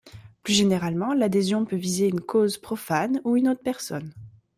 Plus généralement l'adhésion peut viser une cause profane ou une autre personne.